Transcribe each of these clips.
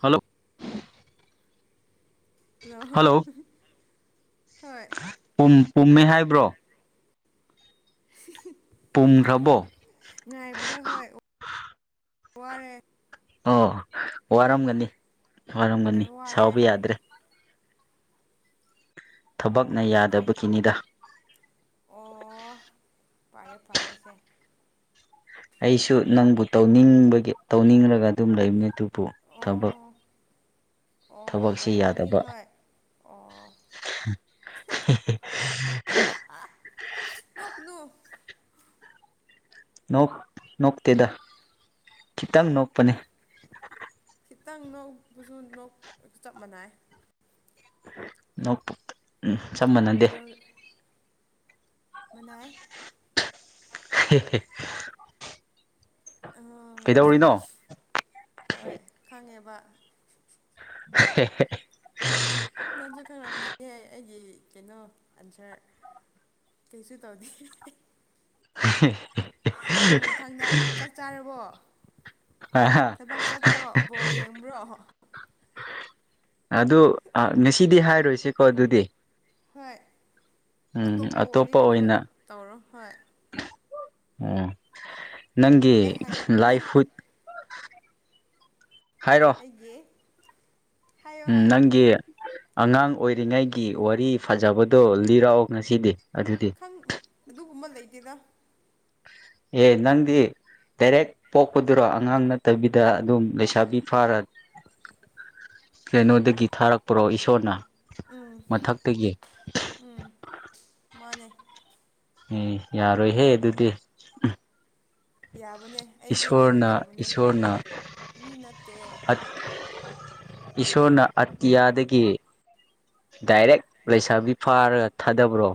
Hello ꯍ hello ꯍꯣꯏ ꯄ ꯄꯨꯝꯃꯦ ꯍꯥꯏꯕ꯭ꯔꯣ [inaudible] ꯄꯨꯡꯈ꯭ꯔꯕꯣ ꯉꯥꯏꯕꯗ ꯍꯣꯏ ꯋꯥꯔꯦ ꯑꯣ ꯋꯥꯔꯝꯒꯅꯤ ꯈꯔ ꯋꯥꯔꯝꯒꯅꯤ ꯋꯥꯔꯦ ꯁꯥꯎꯕ ꯌꯥꯗ꯭ꯔꯦ ꯊꯕꯛꯅ ꯌꯥꯗꯕꯒꯤꯅꯤꯗ ꯑꯣ ꯐꯔꯦ ꯐꯔꯦꯁꯦ ꯑꯩꯁꯨ ꯅꯪꯕꯨ ꯇꯧꯅꯤꯡꯕꯒꯤ ꯇꯧꯅꯤꯡꯂꯒ ꯑꯗꯨꯝ ꯂꯩꯕꯅꯦ ꯑꯗꯨꯕꯨ ꯊꯕꯛ ꯑꯣ ꯑꯣ ꯊꯕꯛꯁꯤ ꯑꯣꯏꯔꯪꯃꯅꯤ ꯌꯥꯗꯕ ꯍꯣꯏ ꯑꯣ ꯅ ꯀꯅꯨ ꯣꯛ ꯅꯣꯛꯇꯦꯗ ꯈꯤꯇꯪ ꯅꯣꯛꯄꯅꯦ ꯈꯤꯇꯪ ꯅꯧꯕꯁꯨꯣꯛ ꯆꯞ ꯃꯥꯟꯅꯩ ꯅꯄ ꯎꯝ ꯆꯞ ꯃꯥꯟꯅꯩ ꯀꯩꯗꯧꯔ ꯃꯅꯥꯏ [inaudible] ꯎ ꯀꯩꯗꯧꯔꯤꯅꯣ ꯍꯣꯏ ꯈꯪꯉꯦꯕ [inaudible] ꯅꯪꯁꯨ ꯈꯪꯔꯥꯎꯅꯤꯍꯦ ꯑꯩꯒꯤ ꯀꯩꯅꯣ ꯑꯟꯁꯔ ꯀꯩꯁꯨ ꯇꯥꯎꯗꯤ [inaudible] ꯑꯗꯨ ꯃꯊꯪꯗ ꯆꯠ ꯆꯥꯔꯕꯣ ꯊꯕꯛ ꯆꯠꯇ꯭ꯔꯣꯕꯣ ꯌꯦꯡꯕ꯭ꯔꯣ ꯑꯗꯣ ꯉꯁꯤꯗꯤ ꯍꯥꯏꯔꯣꯏꯁꯤꯀꯣ ꯑꯗꯨꯗꯤ꯫ ꯍꯣꯏ ꯎꯝ ꯑꯇꯣꯞꯄ ꯋꯥꯔꯤ ꯀꯩꯅꯣ ꯇꯧꯔꯣ ꯍꯣꯏ ꯑꯣ ꯅꯪꯒꯤ ꯑꯩ ꯍꯪꯒꯦ ꯂꯥꯏ ꯅꯪ ꯍꯨꯠ ꯍꯥꯏꯔꯣ ꯑꯦ ꯎꯝ ꯅꯪꯒꯤ ꯑꯉꯥꯡ ꯑꯣꯏꯔꯤꯉꯩꯒꯤ ꯋꯥꯔꯤ ꯐꯖꯕꯗꯣ ꯂꯤꯔꯛꯑꯣ ꯉꯁꯤꯗꯤ ꯑꯗꯨꯗꯤ꯫ ꯪ ꯑꯗꯨꯒꯨꯝꯕ ꯂꯩꯇꯦꯗ ꯑꯦ ꯅꯪꯗꯤ ꯗꯥꯏꯔꯦꯛ ꯄꯣꯛꯄꯗꯨꯔꯣ ꯑꯉꯥꯡ ꯅꯠꯇꯕꯤꯗ ꯑꯗꯨꯝ ꯂꯩꯁꯥꯕꯤ ꯐꯥꯔ ꯀꯩꯅꯣꯗꯒꯤ ꯊꯥꯔꯛꯄ꯭ꯔꯣ ꯏꯁꯣꯔꯅ ꯎꯝ ꯃꯊꯛꯇꯒꯤ? ꯎꯝ ꯃꯥꯅꯦ ꯝ ꯌꯥꯔꯣꯏꯍꯦ ꯑꯗꯨꯗꯤ ꯌꯥꯕꯅꯦ ꯑꯩꯗꯤ ꯀꯩꯅꯣ ꯏꯁꯣꯔꯅ ꯇꯧꯕꯅꯦ ꯏꯁꯣꯔꯅ ꯃꯤ ꯅꯠꯇꯦ ꯐꯠ ꯏꯁꯣꯔꯅ ꯑꯇꯤꯌꯥꯗꯒꯤ ꯗꯥꯏꯔꯦꯛ ꯂꯩꯁꯥꯕꯤ ꯐꯥꯔꯒ ꯊꯥꯗꯕ꯭ꯔꯣ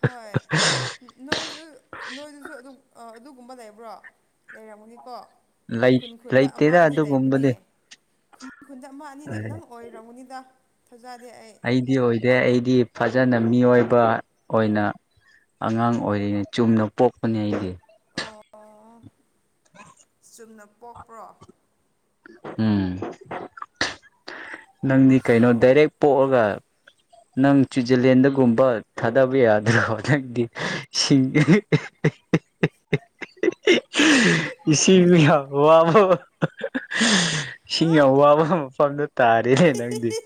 ꯍꯣꯏ ꯅꯣꯏꯖꯨ ꯑ ꯅꯣꯏꯗꯨꯖꯨ ꯑꯗꯨ ꯑ ꯑꯗꯨꯒꯨꯝꯕ ꯂꯩꯕ꯭ꯔꯣ ꯂꯩꯔꯝꯃꯅꯤꯀꯣ ꯂꯩ ꯈꯨꯟ ꯈꯨꯟꯗ ꯑꯃ ꯂꯩꯇꯦꯗ ꯑꯅꯤ ꯂꯩꯕꯅꯦ ꯑꯗꯨꯒꯨꯝꯕꯗꯤ ꯃꯤ ꯈꯨꯟꯗ ꯑꯃ ꯑꯅꯤꯅꯦ ꯅꯪ ꯑꯣꯏꯔꯝꯒꯅꯤꯗ ꯊꯥꯖꯗꯦ ꯑꯩ ꯑꯩꯗꯤ ꯑꯣꯏꯗꯦ ꯑꯩꯗꯤ ꯐꯖꯅ ꯃꯤꯑꯣꯏꯕ ꯑꯣꯏꯅ ꯑꯉꯥꯡ ꯑꯣꯏꯔꯤꯉꯩ ꯆꯨꯝꯅ ꯄꯣꯛꯄꯅꯦ ꯑꯩꯗꯤ ꯑꯣ ꯆꯨꯝꯅ ꯄꯣꯛꯄ꯭ꯔꯣ ꯎꯝ ꯅꯪꯗꯤ ꯀꯩꯅꯣ ꯗꯥꯏꯔꯦꯛ ꯄꯣꯛꯑꯒ ꯅꯪ ꯁ꯭ꯋꯤꯖꯔꯂꯦꯟꯗꯒꯨꯝꯕ ꯊꯥꯗꯕ ꯌꯥꯗ꯭ꯔꯣ ꯅꯪꯗꯤꯁꯤꯡ [inaudible] ꯏꯁꯤꯡ ꯃꯤ ꯌꯥꯝ ꯑꯕ ꯏ ꯍꯥ ꯌꯥꯝ ꯑꯋꯥꯕ ꯑꯃ ꯐꯥꯡꯒ ꯇꯥꯔꯦ ꯅꯪꯗꯤ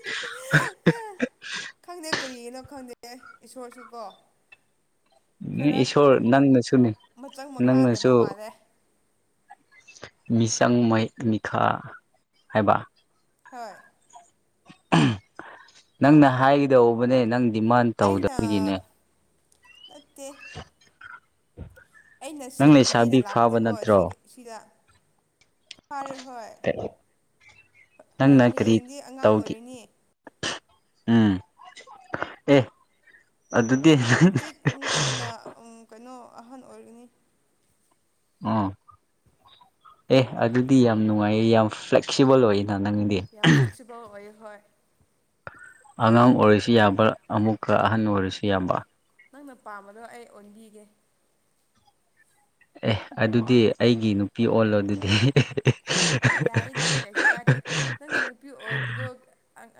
ꯈꯪꯗꯦ ꯀꯔꯤꯅꯣ ꯈꯪꯗꯦ ꯏꯁꯣꯔꯁꯨ ꯀꯣ ꯈꯔ ꯏꯁꯣꯔ ꯅꯪꯅꯁꯨꯅꯤ ꯃꯆꯪ ꯃꯈꯥ ꯂꯩꯕ ꯅꯪꯅꯁꯨ ꯃꯥꯜꯂꯦ ꯃꯤꯁꯪ ꯃꯌꯦꯛ ꯃꯤꯈꯥ ꯍꯥꯏꯕ ꯍꯣꯏ ꯅꯪꯅ ꯍꯥꯏꯒꯗꯧꯕꯅꯦ ꯅꯪ ꯗꯤꯃꯥꯟ ꯑꯩꯅ ꯇꯧꯗꯕꯒꯤꯅꯦ ꯅꯠꯇꯦ [inaudible] ꯑꯩꯅ ꯅꯪ ꯁꯦꯝꯈꯤꯒꯦꯅ ꯂꯩꯁꯥꯕꯤ ꯐꯥꯕ ꯂꯥꯛꯄꯅꯦꯀꯣ ꯁꯤ ꯅꯠꯇ꯭ꯔꯣ ꯁꯤꯗ ꯐꯔꯦ ꯍꯣꯏ ꯍꯣꯏ ꯅꯪꯅ ꯀꯔꯤ ꯍꯌꯦꯡꯗꯤ ꯑꯉꯥꯡ ꯇꯧꯒꯦ ꯑꯣꯏꯔꯅꯤꯌꯦ ꯎꯝ ꯑꯦ ꯑꯗꯨꯗꯤ ꯍꯪꯆꯤꯛ ꯍꯪꯆꯤꯛꯅ ꯀꯩꯅꯣ ꯑꯍꯟ ꯑꯣꯏꯔꯤꯅꯤ ꯑꯣ ꯑꯦ ꯑꯗꯨꯗꯤ ꯌꯥꯝ ꯅꯨꯡꯉꯥꯏꯌꯦ ꯌꯥꯝ ꯐ꯭ꯂꯦꯛꯁꯤꯕꯜ ꯑꯣꯏꯌꯦꯅ ꯅꯪ ꯌꯥꯝ ꯐ꯭ꯂꯦꯛꯁꯤꯕꯜ ꯑꯣꯏ ꯍꯣꯏ ꯑꯉꯥꯡ ꯑꯣꯏꯔꯤꯁꯤ ꯌꯥꯕ꯭ꯔꯥ ꯑꯃꯨꯛꯀ ꯑꯍꯟ ꯑꯣꯏꯔꯤꯁꯤ ꯌꯥꯕ꯭ꯔꯥ ꯅꯪꯅ ꯄꯥꯝꯕꯗꯣ ꯑꯩ ꯑꯣꯟꯕꯤꯒꯦ ꯑꯦ ꯑꯗꯨꯗꯤ ꯑꯩꯒꯤ ꯅꯨꯄꯤ ꯑꯣꯜꯂꯣ ꯑꯗꯨꯗꯤ ꯌꯥꯏꯗ ꯀꯩꯁꯨ ꯇꯥꯔꯦ ꯅꯪꯅ ꯅꯨꯄꯤ ꯑꯣꯏꯕꯗꯣ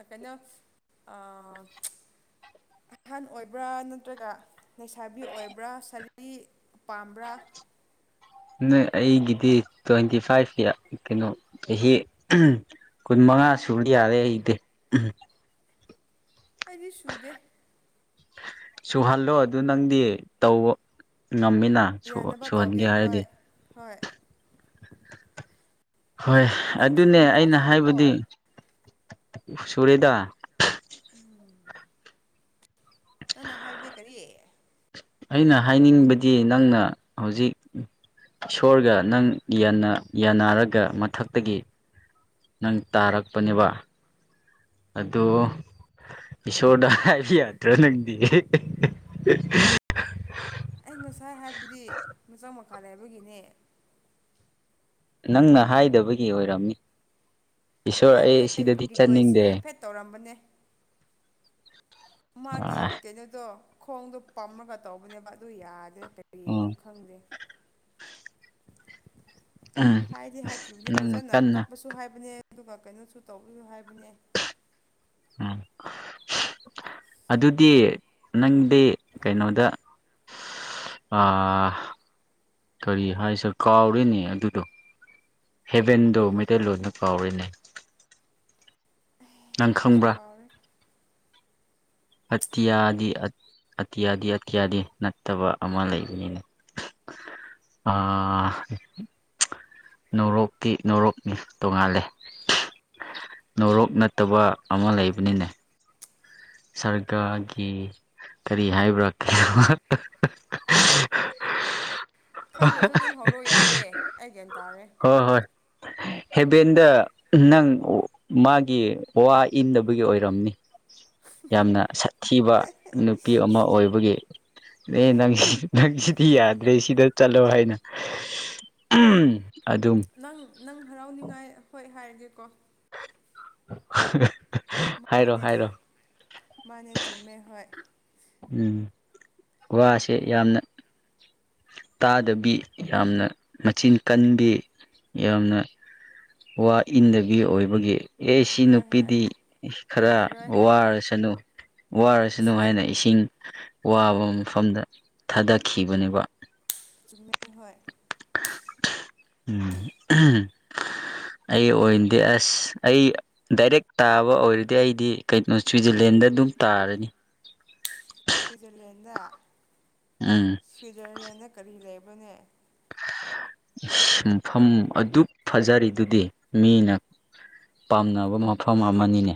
ꯀꯩꯅꯣ ꯑꯍꯜ ꯑꯣꯏꯕ꯭ꯔꯥ ꯅꯠꯇ꯭ꯔꯒ ꯂꯩꯁꯥꯕꯤ ꯑꯣꯏꯕ꯭ꯔꯥ ꯁꯥꯔꯤ ꯄꯥꯝꯕ꯭ꯔꯥ ꯅꯣꯏ ꯑꯩꯒꯤꯗꯤ ꯇ꯭ꯋꯦꯟꯇꯤ ꯐꯥꯏꯚꯀꯤ ꯀꯩꯅꯣ ꯆꯍꯤ ꯀꯨꯟ ꯃꯉꯥ ꯁꯨꯕ ꯌꯥꯔꯦ ꯑꯩꯗꯤ ꯎꯝ ꯑꯩꯗꯤ ꯁꯨꯗꯦ ꯁꯨꯍꯜꯂꯣ ꯑꯗꯨ ꯅꯪꯗꯤ ꯇꯧꯕ ꯉꯝꯃꯤꯅ ꯌꯥꯅꯕ ꯇꯧꯒꯦ ꯁꯨꯍꯟꯒꯦ ꯍꯣꯏ ꯍꯥꯏꯔꯗꯤ ꯍꯣꯏ ꯍꯣꯏ ꯅꯪ ꯅꯪꯗꯤ ꯑꯗꯨꯅꯦ ꯀꯨꯟꯊ꯭ꯔꯥ ꯑꯩꯅ ꯁꯨꯔꯦꯀꯣ ꯍꯥꯏꯕꯗꯤ ꯁꯔꯤꯗ ꯑꯝ ꯅꯪꯅ ꯍꯥꯏꯕꯅꯦ ꯀꯔꯤ ꯑꯩꯅ ꯍꯥꯏꯅꯤꯡꯕꯗꯤ ꯅꯪꯅ ꯍꯧꯖꯤꯛ ꯏꯁꯣꯔꯒ ꯅꯪ ꯌꯥꯟꯅꯔꯒ ꯃꯊꯛꯇꯒꯤ ꯅꯪ ꯇꯥꯔꯛꯄꯅꯦꯕ ꯑꯗꯣ ꯏꯁꯣꯔꯗ ꯍꯥꯏꯕ ꯌꯥꯗ꯭ꯔꯣ ꯅꯪꯗꯤ ꯑꯩ ꯉꯁꯥꯏ ꯍꯥꯏꯕꯗꯤ ꯃꯆꯥꯛ ꯃꯈꯥ ꯂꯩꯕꯒꯤꯅꯦ ꯅꯪꯅ ꯍꯥꯏꯗꯕꯒꯤ ꯑꯣꯏꯔꯝꯃꯤ ꯏꯁꯣꯔ ꯍꯥꯏꯕꯅꯦ ꯑꯩ ꯁꯤꯗꯗꯤ ꯔꯤꯀ꯭ꯋꯦꯁ ꯆꯠꯅꯤꯡꯗꯦ ꯍꯥꯏꯐꯦꯠ ꯇꯧꯔꯝꯕꯅꯦ ꯃꯥꯒꯤ ꯎꯝ ꯀꯩꯅꯣꯗꯣ ꯈꯣꯡꯗꯣ ꯄꯝꯃꯒ ꯇꯧꯕꯅꯦꯕ ꯑꯗꯨ ꯌꯥꯗꯦ ꯀꯔꯤꯒꯤꯅꯣ ꯈꯪꯗꯦ ꯎꯝ ꯍꯥꯏꯗꯤ ꯍꯥꯏꯈꯤꯕꯅꯦ ꯅꯪꯅ ꯐꯖꯅ ꯀꯟꯅ ꯀꯞꯄꯁꯨ ꯍꯥꯏꯕꯅꯦ ꯑꯗꯨꯒ ꯀꯩꯅꯣꯁꯨ ꯇꯧꯔꯁꯨ ꯍꯥꯏꯕꯅꯦ ꯎꯝ ꯑꯗꯨꯗꯤ ꯅꯪꯗꯤ ꯀꯩꯅꯣꯗ ꯀꯔꯤ ꯍꯥꯏꯁꯔ ꯀꯥꯎꯔꯤꯅꯦ ꯑꯗꯨꯗꯣ ꯍꯦꯕꯦꯟꯗꯣ ꯀꯩ ꯃꯩꯇꯩꯂꯣꯟꯗ ꯀꯥꯎꯔꯤꯅꯦ ꯅꯪ ꯑꯩꯁꯨ ꯈꯪꯕ꯭ꯔꯥ ꯀꯥꯎꯔꯦ ꯑꯇꯤꯌꯥꯗꯤ ꯑꯇꯤꯌꯥꯗꯤ ꯑꯇꯤꯌꯥꯗꯤ ꯅꯠꯇꯕ ꯑꯃ ꯂꯩꯕꯅꯤꯅ ꯑ ꯅꯔꯣꯛꯇꯤ ꯅꯔꯣꯛꯅꯤ ꯇꯣꯡꯉꯥꯜꯂꯦ ꯅꯣꯔꯣꯛ ꯅꯠꯇꯕ ꯑꯃ ꯂꯩꯕꯅꯤꯅꯦ ꯁꯔꯀꯥꯔꯒꯤ ꯀꯔꯤ ꯍꯥꯏꯕ꯭ꯔꯥ ꯀ [unintelligible] ꯈꯪꯗ꯭ꯔꯁꯨ ꯑꯗꯨꯝ ꯍꯧꯔꯣ ꯌꯥꯔꯦ ꯑꯩ ꯀꯩ ꯍꯥꯏ ꯇꯥꯔꯦ ꯍꯣꯏ ꯍꯣꯏ ꯍꯦꯕꯦꯟꯗ ꯅꯪ ꯃꯥꯒꯤ ꯋꯥ ꯏꯟꯗꯕꯒꯤ ꯑꯣꯏꯔꯝꯅꯤ ꯌꯥꯝꯅ ꯁꯥꯊꯤꯕ ꯅꯨꯄꯤ ꯑꯃ ꯑꯣꯏꯕꯒꯤ ꯑꯦ ꯅꯪ ꯅꯪ ꯁꯤꯗꯤ ꯌꯥꯗ꯭ꯔꯦ ꯁꯤꯗ ꯆꯠꯂꯣ ꯍꯥꯏꯅ ꯑꯗꯨꯝ ꯅꯪ ꯅꯪ ꯍꯔꯥꯎꯅꯤꯉꯥꯏ ꯍꯣꯏ ꯍꯥꯏꯔꯒꯦꯀꯣ [unintelligible] ꯍꯥꯏꯔꯣ ꯃꯥꯅꯦ ꯍꯥꯏꯔꯣ ꯃꯥꯅꯦ ꯆꯨꯝꯃꯦ ꯍꯣꯏ ꯎꯝ ꯋꯥꯁꯦ ꯌꯥꯝꯅ ꯇꯥꯗꯕꯤ ꯌꯥꯝꯅ ꯃꯆꯤꯟ ꯀꯟꯕꯤ ꯌꯥꯝꯅ ꯋꯥ ꯏꯟꯗꯕꯤ ꯑꯣꯏꯕꯒꯤ ꯑꯩꯁꯤ ꯍꯣꯏ ꯍꯣꯏ ꯅꯨꯄꯤꯗꯤ ꯈꯔ ꯌꯥꯔꯣꯏ ꯋꯥꯔꯁꯅꯨ ꯋꯥꯔꯁꯨ ꯅꯨꯡ ꯍꯥꯏꯥꯏꯅ ꯏꯁꯤꯡ ꯋꯥꯕ ꯃꯐꯝꯗ ꯊꯥꯗꯈꯤꯕꯅꯦꯕ ꯆꯨꯝ ꯍ ꯎꯝ ꯑꯩ ꯑꯣꯏꯅꯗꯤꯦ ꯑꯁ ꯑꯩ ꯗꯥꯏꯔꯦꯛ ꯇꯥꯕ ꯑꯣꯏꯔꯗꯤ ꯑꯩꯗꯤ ꯀꯩꯅꯣ ꯁ꯭ꯋꯤꯖꯔꯂꯦꯟꯗ ꯑꯗꯨꯝ ꯇꯥꯔꯅꯤ ꯁ꯭ꯋꯤꯠꯖꯔꯂꯦꯟꯗ ꯎꯝ ꯁ꯭ꯋꯤꯖꯔꯂꯦꯟꯗ ꯀꯔꯤ ꯂꯩꯕꯅꯦ ꯃꯐꯝ ꯑꯗꯨ ꯐꯖꯔꯤꯗꯨꯗꯤ ꯃꯤꯅ ꯄꯥꯝꯅꯕ ꯃꯐꯝ ꯑꯃꯅꯤꯅꯦ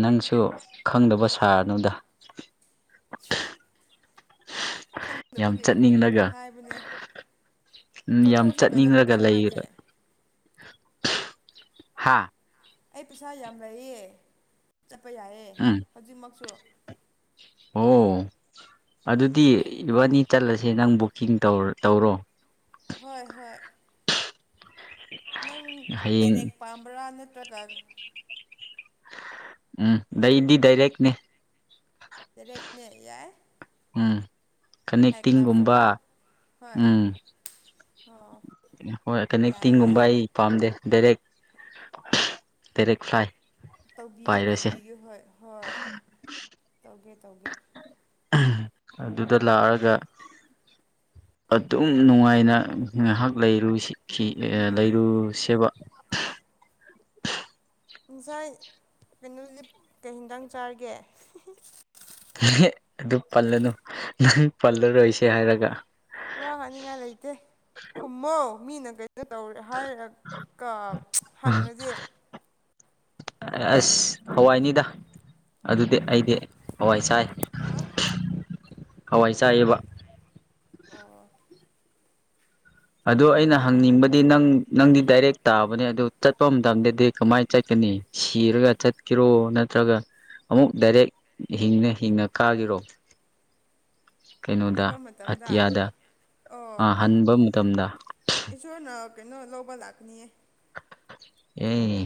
ꯅꯪꯁꯨ ꯈꯪꯗꯕ ꯁꯥꯔꯅꯗ ꯊꯪ ꯌꯥꯝ ꯆꯠꯅꯤꯡꯂꯒ ꯎꯝ ꯌꯥꯝ ꯆꯠꯊꯣꯛꯎꯁꯦ ꯀꯩꯅꯣ ꯆꯠꯅꯤꯡꯉꯒ ꯀꯩꯁꯨ ꯂꯩ ꯀꯥꯏꯗꯦ ꯍꯥ ꯑꯩ ꯄꯩꯁꯥ ꯌꯥꯝ ꯂꯩꯌꯦ ꯆꯠꯄ ꯌꯥꯏꯑꯦ ꯎꯝ ꯍꯧꯖꯤꯛꯃꯛꯁꯨ ꯑꯣ ꯑꯗꯨꯗꯤ ꯏꯕꯥꯅꯤ ꯆꯠꯂꯁꯦ ꯅꯪ ꯕꯨꯛꯀꯤꯡ ꯇꯧ ꯇꯧꯔꯣ ꯍꯣꯏ ꯍꯣꯏ ꯅꯪ ꯍꯌꯦꯡ ꯗꯥꯏꯔꯦꯛ ꯄꯥꯝꯕ꯭ꯔꯥ ꯅꯠꯇ꯭ꯔꯒ ꯎꯝ ꯑꯩꯗꯤ ꯗꯥꯏꯔꯦꯛꯅꯦ ꯔꯦꯠꯅꯦ ꯌꯥꯏ ꯎꯝ ꯍꯥꯏ ꯀꯅꯦꯛꯇꯤꯡꯒꯨꯝꯕ ꯀ꯭ꯂꯥꯁꯇꯀꯣ ꯍꯣꯏ ꯎꯝ ꯑꯣ ꯍꯣꯏ ꯀꯅꯤ ꯌꯥꯏ ꯇꯤꯡꯒꯨꯝꯕꯥ ꯌꯥꯏ ꯑꯩ ꯄꯥꯝꯗꯦ ꯗꯥꯦꯔꯦꯛ ꯗꯥꯏꯔꯦꯛ ꯐ꯭ꯂꯥꯏ ꯇꯧꯕꯤꯒꯦ ꯄꯥꯏꯔꯁꯦ ꯇꯧꯕꯤꯒꯦ ꯍꯣꯏ ꯍꯣꯏ ꯇꯧꯒꯦ ꯇꯧꯒꯦ ꯑꯗꯨꯗ ꯂꯥꯛꯑꯒ ꯑꯗꯨꯝ ꯅꯨꯡꯉꯥꯏꯅ ꯉꯥꯏꯍꯥꯛ ꯂꯩꯔꯨ ꯁꯤꯈꯤ ꯂꯩꯔꯨ ꯁꯦꯝꯕ ꯉꯁꯥꯏ ꯀꯩꯅꯣ ꯂꯤꯞ ꯀꯩ ꯍꯦꯟꯗꯥꯡ ꯆꯥꯔꯒꯦ [unintelligible] ꯅ ꯑꯗꯨ ꯄꯜꯂꯅꯨ ꯅꯪ ꯄꯜꯂꯔꯣꯏꯁꯦ ꯍꯥꯏꯔꯒ ꯋꯥ ꯍꯥꯏꯅꯤꯡꯉꯥꯏ ꯂꯩꯇꯦ ꯈꯨꯝꯃꯣ ꯃꯤꯅ ꯀꯩ ꯇꯧꯔꯦ ꯍꯥꯏꯔꯒ ꯍꯪꯉꯁꯦ ꯑꯁ ꯍꯋꯥꯏꯅꯤꯗ ꯑꯗꯨꯗꯤ ꯑꯩꯗꯤ ꯍꯋꯥꯏ ꯆꯥꯏ ꯍꯥꯥ ꯍꯋꯥꯏ ꯆꯥꯏꯑꯕ ꯑꯣ ꯑꯗꯣ ꯑꯩꯅ ꯍꯪꯅꯤꯡꯕ ꯗꯤ ꯅꯪ ꯅꯪꯗꯤ ꯗꯥꯏꯔꯦꯛ ꯇꯥꯕꯅꯦ ꯑꯗꯨ ꯆꯠꯄ ꯃꯇꯝꯗꯗꯤ ꯀꯃꯥꯏꯅ ꯆꯠꯀꯅꯤ ꯁꯤꯔꯒ ꯆꯠ ꯆꯠ ꯀꯔꯣ ꯅꯠꯇ꯭ꯔꯒ ꯑꯃꯨꯛ ꯗꯥꯏꯔꯦꯛ ꯍꯤꯡꯅ ꯍꯤꯡꯅ ꯀꯥꯈꯤꯔꯣ ꯀꯩꯅꯣꯗ ꯆꯠꯄ ꯃꯇꯝꯗ ꯑꯇꯤꯌꯥꯗ ꯑꯣ ꯍꯟꯕ ꯃꯇꯝꯗ ꯏꯁꯣꯔꯅ ꯀꯩꯅꯣ ꯂꯧꯕ ꯂꯥꯛꯅꯤꯌꯦ ꯑꯦ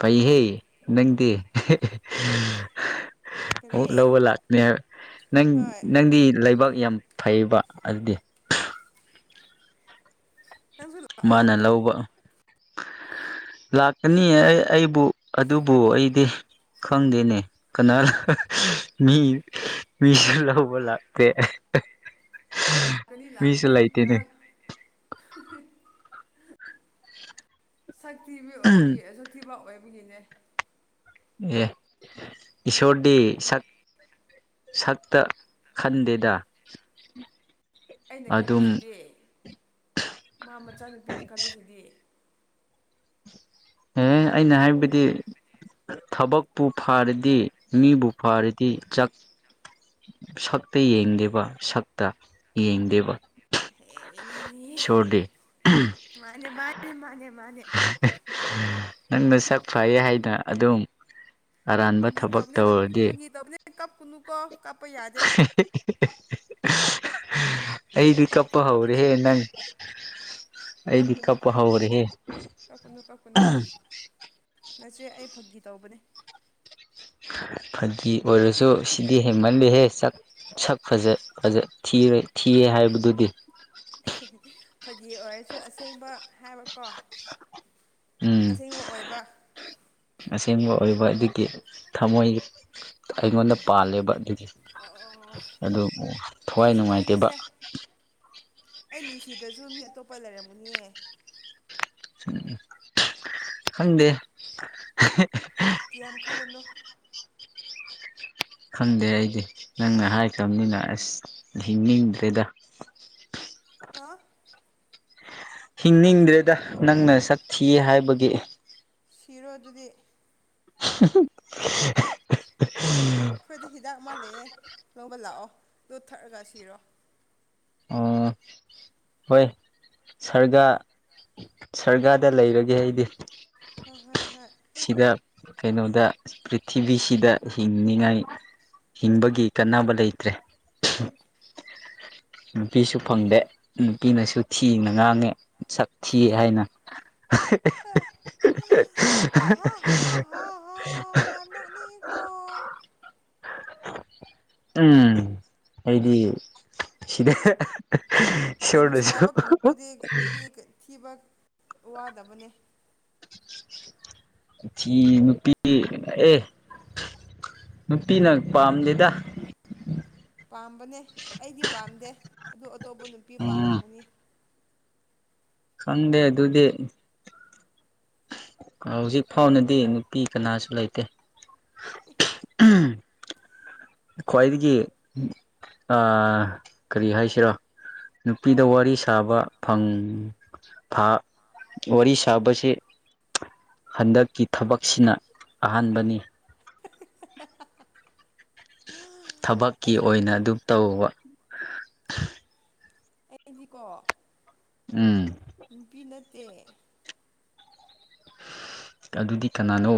ꯐꯩꯍꯦ ꯅꯪꯗꯤ ꯀꯔꯤ ꯂꯧꯕ ꯂꯥꯛꯀꯅꯦ ꯍꯥꯏꯕ ꯅꯪ ꯍꯣꯏ ꯅꯪꯗꯤ ꯂꯩꯕꯥꯛ ꯌꯥꯝ ꯐꯩꯕ ꯑꯗꯨꯗꯤ ꯅꯪꯁꯨ ꯃꯥꯅ ꯂꯥꯛꯑꯣ ꯂꯧꯕ ꯂꯥꯛꯀꯅꯤ ꯑꯩ ꯑꯩꯕꯨ ꯑꯗꯨꯕꯨ ꯑꯩꯗꯤ ꯈꯪꯗꯦꯅꯦ ꯀꯅꯥ ꯃꯤ ꯃꯤꯁꯨ ꯂꯧꯕ ꯂꯥꯛꯇꯦ ꯂꯥꯛꯀꯅꯤ ꯃꯤꯁꯨ ꯂꯥꯛꯀꯅꯤ ꯂꯩꯇꯦꯅꯦ ꯉꯥꯏꯍꯥꯛ [inaudible] ꯁꯛꯊꯤꯕꯤ ꯑꯣꯏꯕꯒꯤ ꯁꯛꯊꯤꯕ ꯑꯣꯏꯕꯒꯤꯅꯦ ꯑꯦ ꯏꯁꯣꯔꯗꯤ ꯁꯛ ꯁꯛꯇ ꯈꯟꯗꯦꯗ ꯑꯩꯅ ꯑꯗꯨꯝ ꯈꯜꯂꯤꯁꯤꯗꯤ ꯃꯥ ꯃꯆꯥꯅꯨꯄꯤꯅ ꯈꯜꯂꯤꯁꯤꯗꯤ ꯑꯦ ꯑꯩꯅ ꯍꯥꯏꯕꯗꯤ ꯊꯕꯛꯄꯨ ꯐꯔꯗꯤ ꯃꯤꯕꯨ ꯐꯔꯗꯤ ꯆꯛ ꯁꯛꯇ ꯌꯦꯡꯗꯦꯕ ꯁꯛꯇ ꯌꯦꯡꯗꯦꯕ ꯍꯦꯅꯦꯅꯦ ꯏꯁꯣꯔꯗꯤ ꯃꯥꯅꯦ ꯃꯥꯅꯦ ꯃꯥꯅꯦ ꯃꯥꯅꯦ ꯅꯪ ꯅꯁꯥꯛ ꯐꯩꯌꯦ ꯍꯥꯏ ꯅ ꯑꯗꯨꯝ ꯑꯔꯥꯟꯕ ꯊꯕꯛ ꯇꯧꯔꯗꯤ ꯀꯞꯀꯅꯨ ꯀꯞꯄ ꯌꯥꯗꯦ ꯑꯩꯗꯤ ꯅꯨꯄꯥ ꯀꯞꯄ ꯊꯣꯛꯇꯕꯅꯦ ꯍꯧꯔꯦꯍꯦ ꯅꯪ ꯑꯩꯗꯤ ꯀꯞꯀꯅꯨ ꯀꯞꯄ ꯍꯧꯔꯦꯍꯦ ꯀꯞꯀꯅꯨ ꯀꯞꯀꯅꯨ ꯅꯆꯦ ꯑꯩ ꯐꯒꯤ ꯇꯧꯕꯅꯦ ꯐꯒꯤ ꯑꯣꯏꯔꯁꯨ ꯁꯤꯗꯤ ꯍꯦꯟꯃꯜꯂꯦꯍꯦ ꯆꯛ ꯁꯛ ꯐꯖ ꯐꯖ ꯊꯤꯕꯩ ꯊꯤꯌꯦ ꯍꯥꯏꯕꯗꯨꯗꯤ ꯐꯒꯤ ꯑꯣꯏꯔꯁꯨ ꯑꯁꯦꯡꯕ ꯍꯥꯏꯕꯀꯣ ꯎꯝ ꯑꯁꯦꯡꯕ ꯑꯣꯏꯕ ꯑꯁꯦꯡꯕ ꯑꯣꯏꯕ ꯑꯗꯨꯒꯤ ꯊꯃꯣꯏ ꯑꯩꯉꯣꯟꯗ ꯄꯥꯜꯂꯦꯕ ꯑꯗꯨꯗꯤ ꯑꯣ ꯑꯗꯨ ꯊꯋꯥꯏ ꯀꯩꯁꯨ ꯅꯨꯡꯉꯥꯏꯇꯦꯕ ꯀꯥꯏꯗꯦꯁꯦ ꯑꯩ ꯅꯨꯡꯁꯤꯗ꯭ꯔꯁꯨ ꯃꯤ ꯑꯇꯣꯞꯄ ꯂꯩꯔꯝꯒꯅꯤꯌꯦ ꯎꯝ ꯈꯪꯗꯦ ꯀꯌꯥꯝ ꯈꯜꯂꯅꯨ ꯈꯪꯗꯦ ꯑꯩꯗꯤ ꯅꯪꯅ ꯍꯥꯏꯈ꯭ꯔꯕꯅꯤꯅ ꯑꯁ ꯍꯤꯡꯅꯤꯡꯗ꯭ꯔꯦꯗ ꯍꯥꯥ ꯍꯤꯡꯅꯤꯡꯗ꯭ꯔꯦꯗ ꯅꯪꯅ ꯁꯛ ꯊꯤ ꯍꯥꯏꯕꯒꯤ ꯁꯤꯔꯣ ꯑꯗꯨꯗꯤ [unintelligible] ꯑꯩꯈꯣꯏꯗ ꯍꯤꯗꯥꯛ ꯑꯃ ꯂꯩꯌꯦ ꯂꯧꯕ ꯂꯥꯛꯑꯣ ꯑꯗꯨ ꯊꯛꯑꯒ ꯁꯤꯔꯣ ꯑꯣ ꯍꯣꯏ ꯁꯥꯔꯒ ꯁꯔꯒꯥꯗ ꯂꯩꯔꯒꯦ ꯑꯩꯗꯤ ꯍꯣꯏ ꯍꯣꯏ ꯍꯣꯏ ꯁꯤꯗ ꯀꯩꯅꯣꯗ ꯄ꯭ꯔꯤꯊꯤꯕꯤꯁꯤꯗ ꯍꯤꯡꯅꯤꯉꯥꯏ ꯍꯤꯡꯕꯒꯤ ꯀꯥꯟꯅꯕ ꯂꯩꯇ꯭ꯔꯦ ꯅꯨꯄꯤꯁꯨ ꯐꯪꯗꯦ ꯅꯨꯄꯤꯅꯁꯨ ꯊꯤꯅ ꯉꯥꯡꯉꯦ ꯁꯛ ꯊꯤ ꯍꯥꯏꯅ ꯌꯥꯝ ꯅꯣꯛꯅꯤꯡꯉꯤꯀꯣ [unintelligible] ꯎꯝ ꯑꯩꯗꯤ ꯁꯤꯗ ꯖꯤꯝ ꯏꯁꯣꯔꯗꯁꯨ ꯁꯅꯥꯕ ꯀꯥꯡꯕꯨꯗꯤ ꯅꯨꯄꯤ ꯊꯤꯕ ꯋꯥꯗꯕꯅꯦ ꯊꯤ ꯅꯨꯄꯤ ꯑꯦ ꯅꯨꯄꯤꯅ ꯄꯥꯝꯗꯦꯗ ꯄꯥꯝꯕꯅꯦ ꯑꯩꯗꯤ ꯄꯥꯝꯗꯦ ꯑꯗꯨ ꯑꯇꯣꯞꯄ ꯅꯨꯄꯤ ꯎꯝ ꯄꯥꯝꯂꯝꯝꯒꯅꯤ ꯈꯪꯗꯦ ꯑꯗꯨꯗꯤ ꯍꯧꯖꯤꯛ ꯐꯥꯎꯅꯗꯤ ꯅꯨꯄꯤ ꯀꯅꯥꯁꯨ ꯂꯩꯇꯦ ꯍ ꯎꯝ ꯈ꯭ꯋꯥꯏꯗꯒꯤ ꯀꯔꯤ ꯍꯥꯏꯁꯤꯔꯣ ꯅꯨꯄꯤꯗ ꯋꯥꯔꯤ ꯁꯥꯕ ꯋꯥꯔꯤ ꯁꯥꯕꯁꯤ ꯍꯟꯗꯛꯀꯤ ꯊꯕꯛꯁꯤꯅ ꯑꯍꯥꯟꯕꯅꯤ ꯊꯕꯛꯀꯤ ꯑꯩ ꯑꯣꯏꯅ ꯑꯗꯨꯝ ꯇꯧꯕ ꯑꯩꯗꯤꯀꯣ ꯎꯝ ꯅꯨꯄꯤ ꯅꯠꯇꯦ ꯑꯗꯨꯗꯤ ꯀꯅꯥꯅꯣ